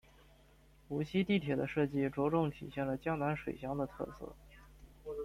无锡地铁的设计着重体现了江南水乡的特色。